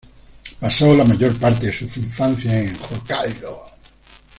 Pasó la mayor parte de su infancia en Hokkaido.